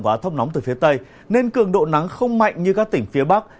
của át thấp nóng từ phía tây nên cường độ nắng không mạnh như các tỉnh phía bắc